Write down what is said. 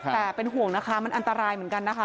แต่เป็นห่วงนะคะมันอันตรายเหมือนกันนะคะ